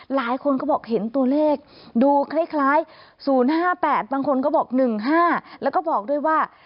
หลายคนก็บอกเห็นตัวเลขดูคล้าย๐๕๘บางคนก็บอก๑๕แล้วก็บอกด้วยว่า